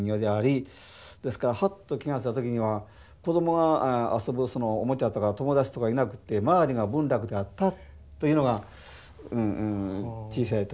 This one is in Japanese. ですからはっと気が付いた時には子供が遊ぶおもちゃとか友達とかいなくて周りが文楽であったというのが小さい時からのこう。